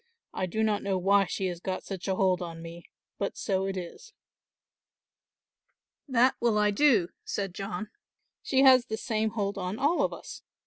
I do not know why she has got such a hold on me, but so it is." "That will I do," said John, "she has the same hold on all of us.